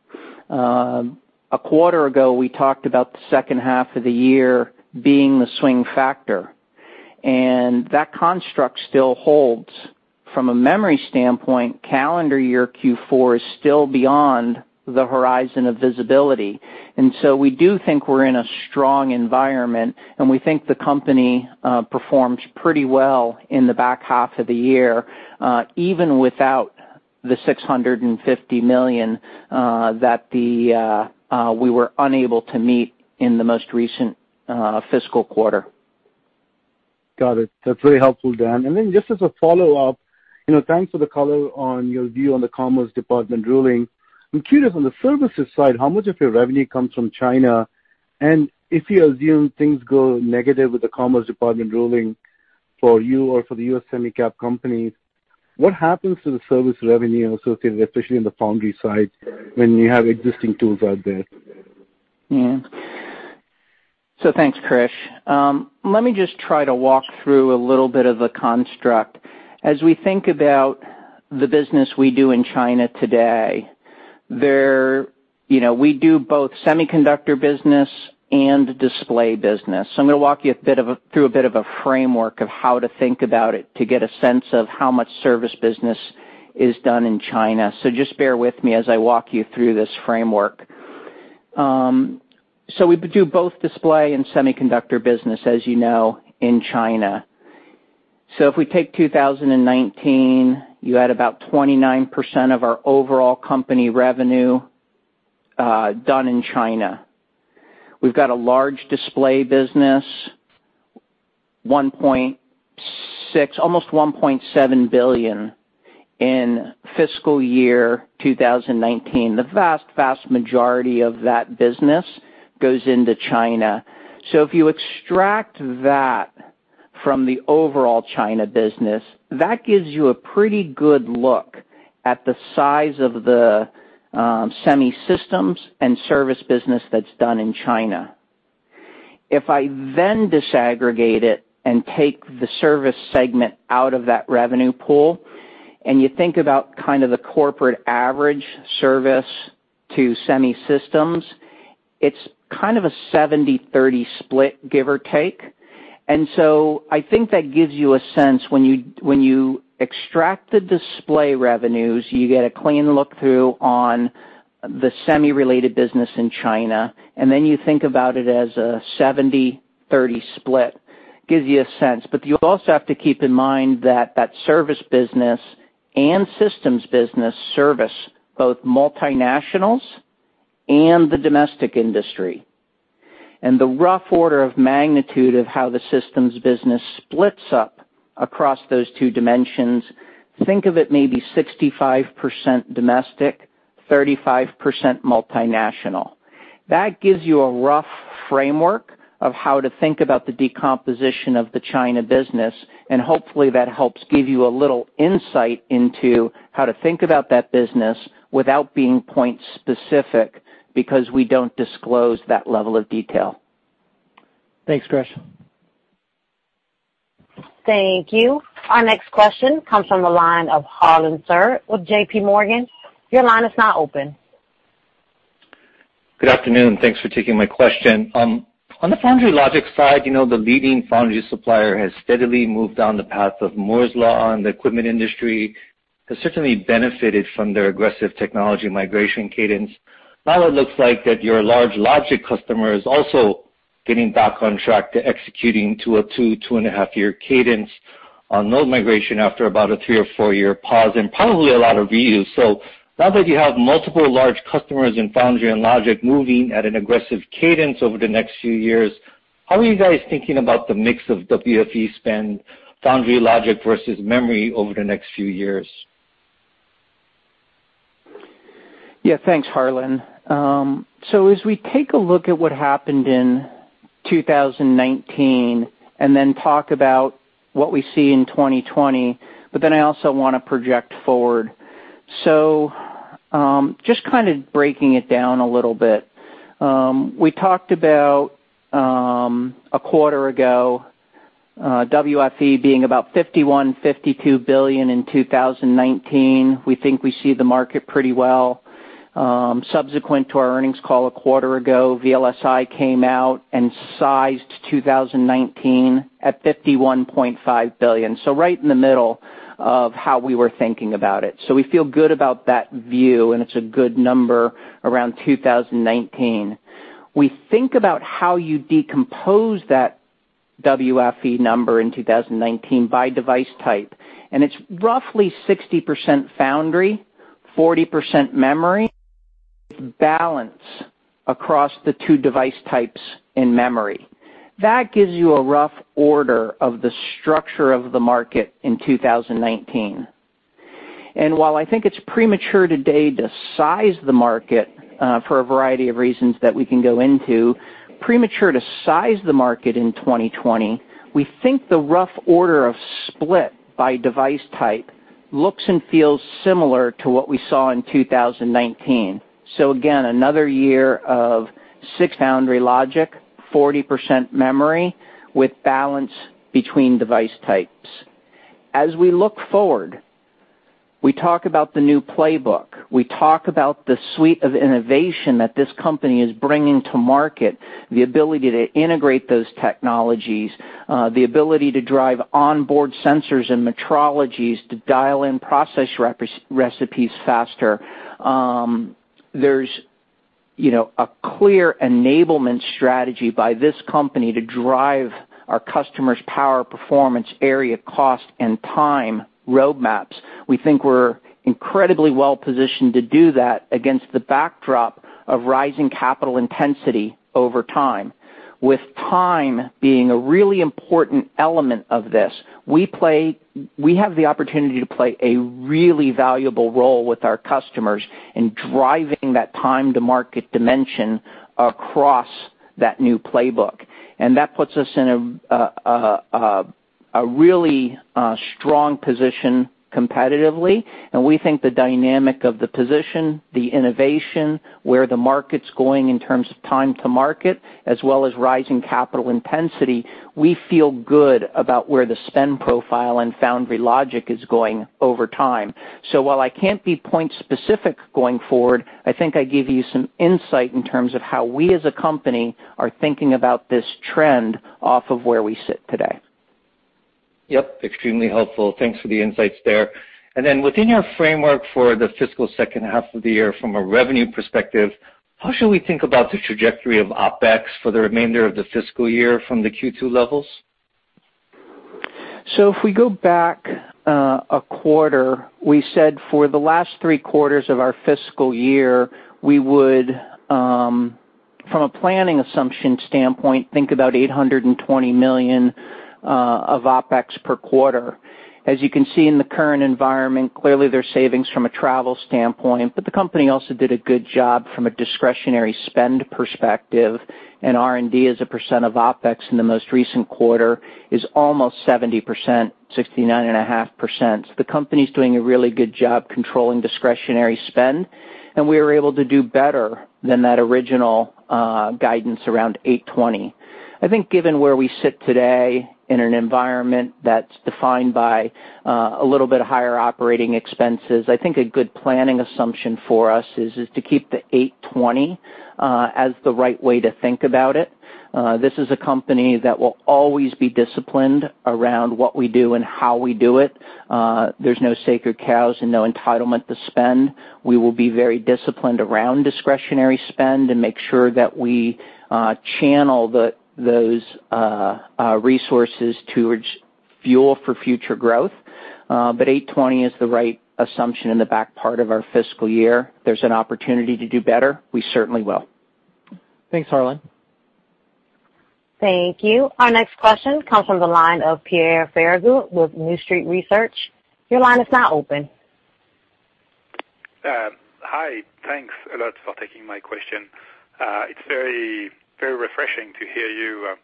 a quarter ago, we talked about the second half of the year being the swing factor, and that construct still holds. From a memory standpoint, calendar year Q4 is still beyond the horizon of visibility, and so we do think we're in a strong environment, and we think the company performs pretty well in the back half of the year, even without the $650 million that we were unable to meet in the most recent fiscal quarter. Got it. That's very helpful, Dan. Just as a follow-up, thanks for the color on your view on the Commerce Department ruling. I'm curious, on the services side, how much of your revenue comes from China? If you assume things go negative with the Commerce Department ruling for you or for the U.S. semi cap companies, what happens to the service revenue associated, especially on the foundry side, when you have existing tools out there? Yeah. Thanks, Krish. Let me just try to walk through a little bit of a construct. As we think about the business we do in China today, we do both semiconductor business and display business. I'm going to walk you through a bit of a framework of how to think about it to get a sense of how much service business is done in China. Just bear with me as I walk you through this framework. We do both display and semiconductor business, as you know, in China. If we take 2019, you had about 29% of our overall company revenue done in China. We've got a large display business, almost $1.7 billion in fiscal year 2019. The vast majority of that business goes into China. If you extract that from the overall China business, that gives you a pretty good look at the size of the semi systems and service business that's done in China. If I then disaggregate it and take the service segment out of that revenue pool, and you think about the corporate average service to semi systems, it's kind of a 70/30 split, give or take. I think that gives you a sense when you extract the display revenues, you get a clean look through on the semi-related business in China, and then you think about it as a 70/30 split. Gives you a sense. You also have to keep in mind that that service business and systems business service both multinationals and the domestic industry. The rough order of magnitude of how the systems business splits up across those two dimensions, think of it maybe 65% domestic, 35% multinational. That gives you a rough framework of how to think about the decomposition of the China business, and hopefully that helps give you a little insight into how to think about that business without being point specific, because we don't disclose that level of detail. Thanks, Krish. Thank you. Our next question comes from the line of Harlan Sur with JPMorgan. Your line is now open. Good afternoon. Thanks for taking my question. On the Foundry Logic side, the leading foundry supplier has steadily moved down the path of Moore's Law and the equipment industry has certainly benefited from their aggressive technology migration cadence. Now it looks like that your large logic customer is also getting back on track to executing to a two and a half year cadence on node migration after about a three or four-year pause and probably a lot of reuse. Now that you have multiple large customers in Foundry Logic moving at an aggressive cadence over the next few years, how are you guys thinking about the mix of WFE spend, Foundry Logic versus memory over the next few years? Yeah. Thanks, Harlan. As we take a look at what happened in 2019, talk about what we see in 2020, I also want to project forward. Just kind of breaking it down a little bit. We talked about, a quarter ago, WFE being about $51 billion-$52 billion in 2019. We think we see the market pretty well. Subsequent to our earnings call a quarter ago, VLSI came out and sized 2019 at $51.5 billion, so right in the middle of how we were thinking about it. We feel good about that view, and it's a good number around 2019. We think about how you decompose that WFE number in 2019 by device type, and it's roughly 60% foundry, 40% memory, with balance across the two device types in memory. That gives you a rough order of the structure of the market in 2019. While I think it's premature today to size the market for a variety of reasons that we can go into, premature to size the market in 2020, we think the rough order of split by device type looks and feels similar to what we saw in 2019. Again, another year of 60% foundry logic, 40% memory with balance between device types. As we look forward, we talk about the new playbook. We talk about the suite of innovation that this company is bringing to market, the ability to integrate those technologies, the ability to drive onboard sensors and metrologies to dial in process recipes faster. There's a clear enablement strategy by this company to drive our customers' power, performance, area cost, and time roadmaps. We think we're incredibly well-positioned to do that against the backdrop of rising capital intensity over time, with time being a really important element of this. We have the opportunity to play a really valuable role with our customers in driving that time to market dimension across that new playbook, and that puts us in a really strong position competitively, and we think the dynamic of the position, the innovation, where the market's going in terms of time to market, as well as rising capital intensity, we feel good about where the spend profile and foundry logic is going over time. While I can't be point specific going forward, I think I gave you some insight in terms of how we as a company are thinking about this trend off of where we sit today. Yep. Extremely helpful. Thanks for the insights there. Within your framework for the fiscal second half of the year from a revenue perspective, how should we think about the trajectory of OpEx for the remainder of the fiscal year from the Q2 levels? If we go back a quarter, we said for the last three quarters of our fiscal year, we would, from a planning assumption standpoint, think about $820 million of OpEx per quarter. As you can see in the current environment, clearly there's savings from a travel standpoint, but the company also did a good job from a discretionary spend perspective, and R&D as a % of OpEx in the most recent quarter is almost 70%, 69.5%. The company's doing a really good job controlling discretionary spend, and we were able to do better than that original guidance around $820 million. I think given where we sit today in an environment that's defined by a little bit higher operating expenses, I think a good planning assumption for us is to keep the $820 million as the right way to think about it. This is a company that will always be disciplined around what we do and how we do it. There is no sacred cows and no entitlement to spend. We will be very disciplined around discretionary spend and make sure that we channel those resources towards fuel for future growth. $820 is the right assumption in the back part of our fiscal year. There is an opportunity to do better. We certainly will. Thanks, Harlan. Thank you. Our next question comes from the line of Pierre Ferragu with New Street Research. Your line is now open. Hi. Thanks a lot for taking my question. It's very refreshing to hear you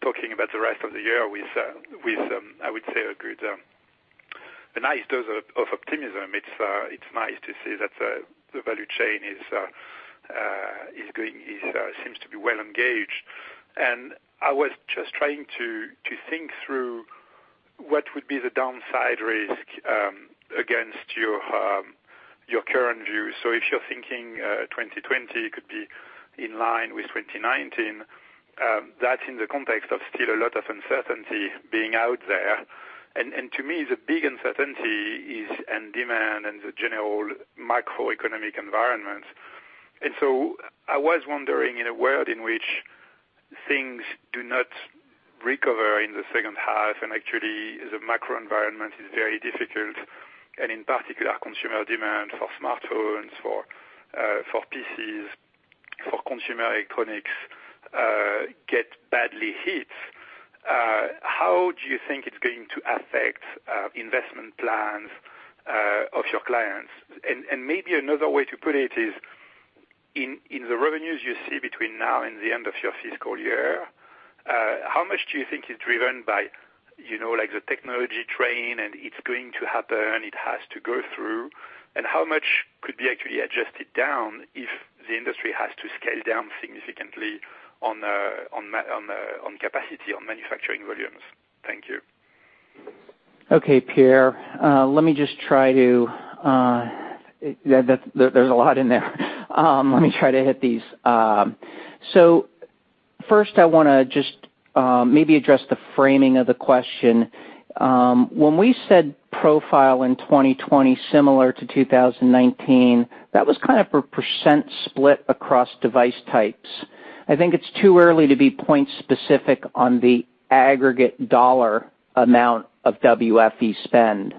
talking about the rest of the year with, I would say, a nice dose of optimism. It's nice to see that the value chain seems to be well engaged. I was just trying to think through what would be the downside risk against your current view. If you're thinking 2020 could be in line with 2019, that's in the context of still a lot of uncertainty being out there. To me, the big uncertainty is end demand and the general macroeconomic environment. I was wondering, in a world in which things do not recover in the second half and actually, the macro environment is very difficult. In particular, consumer demand for smartphones, for PCs, for consumer electronics gets badly hit. How do you think it's going to affect investment plans of your clients? Maybe another way to put it is, in the revenues you see between now and the end of your fiscal year, how much do you think is driven by the technology train, and it's going to happen, it has to go through, and how much could be actually adjusted down if the industry has to scale down significantly on capacity, on manufacturing volumes? Thank you. Okay, Pierre. There's a lot in there. Let me try to hit these. First I want to just maybe address the framing of the question. When we said profile in 2020, similar to 2019, that was kind of a % split across device types. I think it's too early to be point specific on the aggregate dollar amount of WFE spend.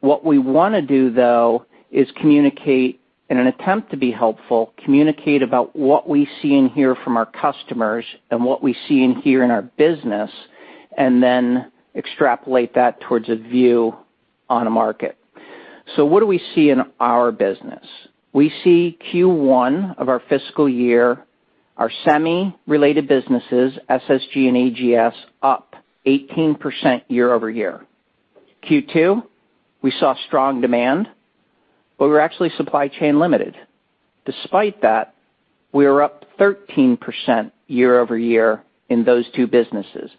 What we want to do though, is communicate, in an attempt to be helpful, communicate about what we see and hear from our customers and what we see and hear in our business, and then extrapolate that towards a view on a market. What do we see in our business? We see Q1 of our fiscal year, our semi-related businesses, SSG and AGS, up 18% year-over-year. Q2, we saw strong demand, but we were actually supply chain limited. Despite that, we were up 13% year-over-year in those two businesses.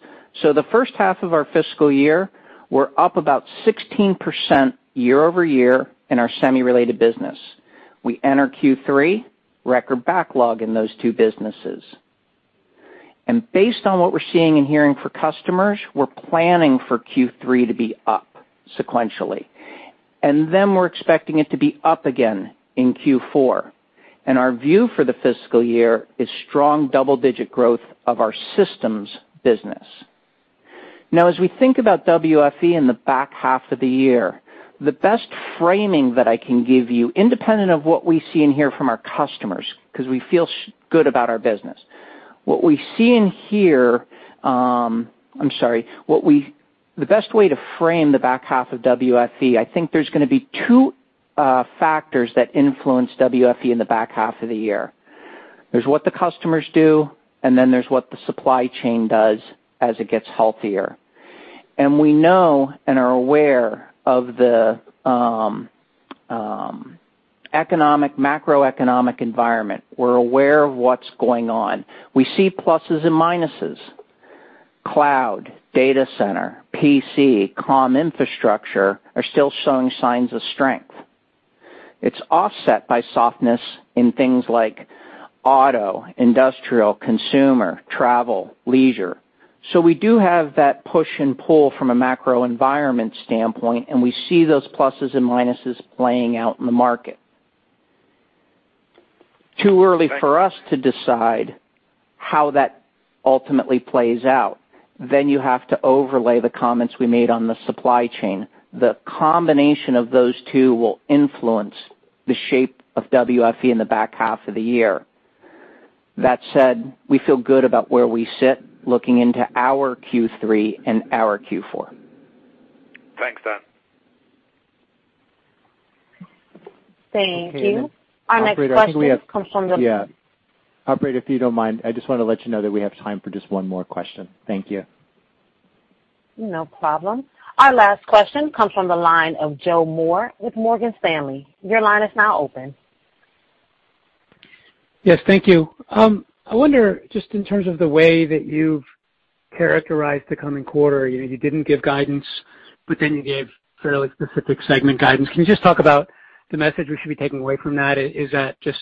The first half of our fiscal year, we're up about 16% year-over-year in our semi-related business. We enter Q3, record backlog in those two businesses. Based on what we're seeing and hearing for customers, we're planning for Q3 to be up sequentially. We're expecting it to be up again in Q4. Our view for the fiscal year is strong double-digit growth of our systems business. Now, as we think about WFE in the back half of the year, the best framing that I can give you, independent of what we see and hear from our customers, because we feel good about our business. The best way to frame the back half of WFE, I think there's going to be two factors that influence WFE in the back half of the year. There's what the customers do, then there's what the supply chain does as it gets healthier. We know and are aware of the macroeconomic environment. We're aware of what's going on. We see pluses and minuses. Cloud, data center, PC, comm infrastructure are still showing signs of strength. It's offset by softness in things like auto, industrial, consumer, travel, leisure. We do have that push and pull from a macro environment standpoint, we see those pluses and minuses playing out in the market. Too early for us to decide how that ultimately plays out. You have to overlay the comments we made on the supply chain. The combination of those two will influence the shape of WFE in the back half of the year. That said, we feel good about where we sit looking into our Q3 and our Q4. Thanks, Dan. Thank you. Okay. Our next question comes from the. Yeah. Operator, if you don't mind, I just want to let you know that we have time for just one more question. Thank you. No problem. Our last question comes from the line of Joe Moore with Morgan Stanley. Your line is now open. Yes, thank you. I wonder, just in terms of the way that you've characterized the coming quarter, you didn't give guidance, but then you gave fairly specific segment guidance. Can you just talk about the message we should be taking away from that? Is that just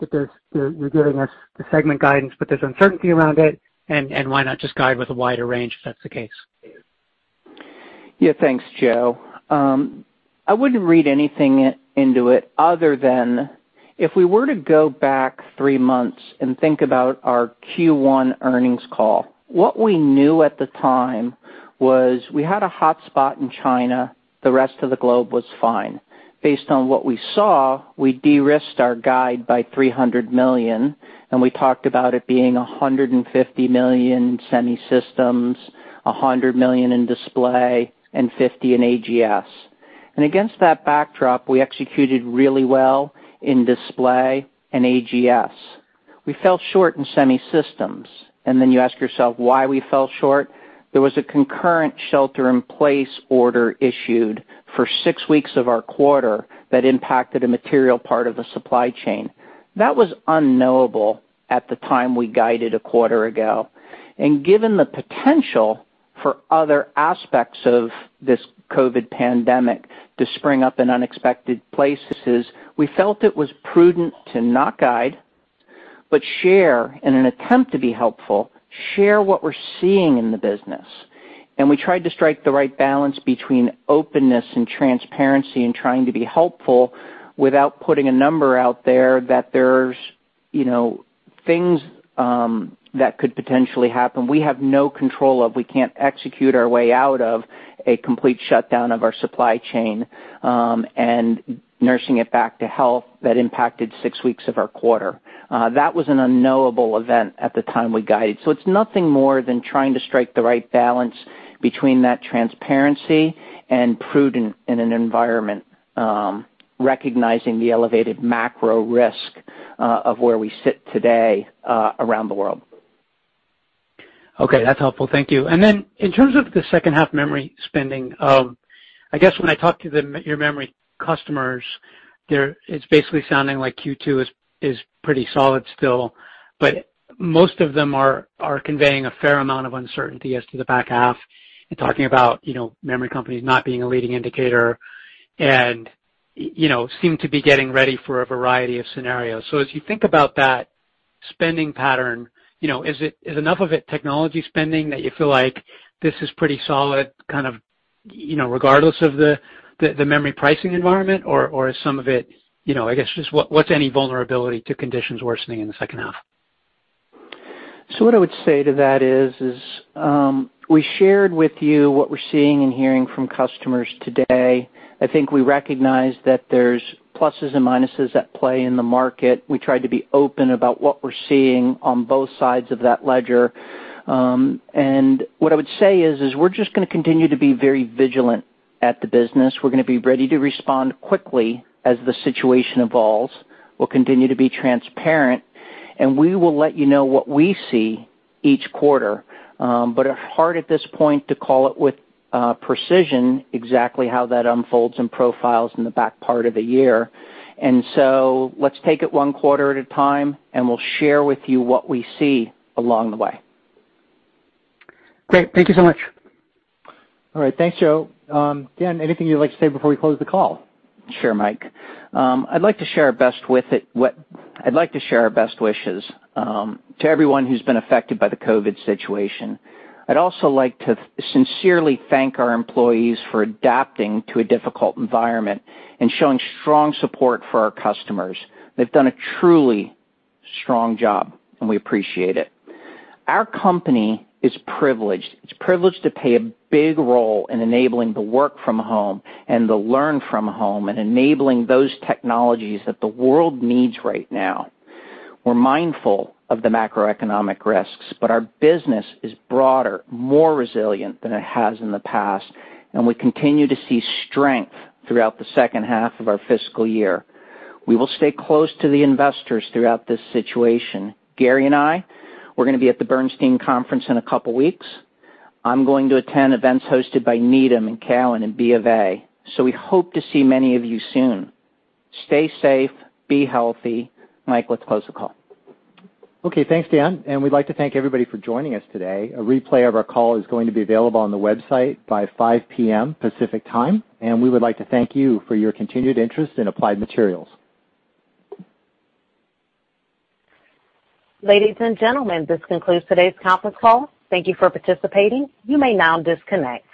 that you're giving us the segment guidance, but there's uncertainty around it, and why not just guide with a wider range if that's the case? Yeah, thanks, Joe. I wouldn't read anything into it other than if we were to go back three months and think about our Q1 earnings call, what we knew at the time was we had a hotspot in China. The rest of the globe was fine. Based on what we saw, we de-risked our guide by $300 million. We talked about it being $150 million in semi systems, $100 million in display, and $50 million in AGS. Against that backdrop, we executed really well in display and AGS. We fell short in semi systems. Then you ask yourself why we fell short. There was a concurrent shelter-in-place order issued for six weeks of our quarter that impacted a material part of the supply chain. That was unknowable at the time we guided a quarter ago. Given the potential for other aspects of this COVID pandemic to spring up in unexpected places, we felt it was prudent to not guide, but share, in an attempt to be helpful, share what we're seeing in the business. We tried to strike the right balance between openness and transparency and trying to be helpful without putting a number out there that there's things that could potentially happen. We have no control of, we can't execute our way out of a complete shutdown of our supply chain, and nursing it back to health that impacted six weeks of our quarter. That was an unknowable event at the time we guided. It's nothing more than trying to strike the right balance between that transparency and prudent in an environment, recognizing the elevated macro risk of where we sit today around the world. Okay. That's helpful. Thank you. Then in terms of the second half memory spending, I guess when I talk to your memory customers, it's basically sounding like Q2 is pretty solid still, but most of them are conveying a fair amount of uncertainty as to the back half and talking about memory companies not being a leading indicator and seem to be getting ready for a variety of scenarios. As you think about that spending pattern, is enough of it technology spending that you feel like this is pretty solid kind of regardless of the memory pricing environment, or I guess, just what's any vulnerability to conditions worsening in the second half? What I would say to that is we shared with you what we're seeing and hearing from customers today. I think we recognize that there's pluses and minuses at play in the market. We tried to be open about what we're seeing on both sides of that ledger. What I would say is we're just going to continue to be very vigilant at the business. We're going to be ready to respond quickly as the situation evolves. We'll continue to be transparent, and we will let you know what we see each quarter. Hard at this point to call it with precision exactly how that unfolds and profiles in the back part of the year. Let's take it one quarter at a time, and we'll share with you what we see along the way. Great. Thank you so much. All right. Thanks, Joe. Dan, anything you'd like to say before we close the call? Sure, Mike. I'd like to share our best wishes to everyone who's been affected by the COVID-19 situation. I'd also like to sincerely thank our employees for adapting to a difficult environment and showing strong support for our customers. They've done a truly strong job, and we appreciate it. Our company is privileged. It's privileged to play a big role in enabling the work from home and the learn from home and enabling those technologies that the world needs right now. We're mindful of the macroeconomic risks, but our business is broader, more resilient than it has in the past, and we continue to see strength throughout the second half of our fiscal year. We will stay close to the investors throughout this situation. Gary and I, we're going to be at the Bernstein conference in a couple of weeks. I'm going to attend events hosted by Needham and Cowen and B of A. We hope to see many of you soon. Stay safe, be healthy. Mike, let's close the call. Okay. Thanks, Dan. We'd like to thank everybody for joining us today. A replay of our call is going to be available on the website by 5:00 P.M. Pacific Time. We would like to thank you for your continued interest in Applied Materials. Ladies and gentlemen, this concludes today's conference call. Thank you for participating. You may now disconnect.